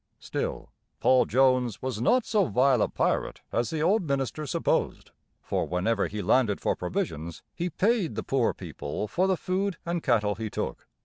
Still, Paul Jones was not so vile a pirate as the old minister supposed, for whenever he landed for provisions, he paid the poor people for the food and cattle he took.